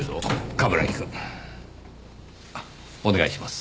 冠城くん。お願いします。